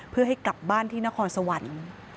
เพื่อให้กลับบ้านที่นครสวรรค์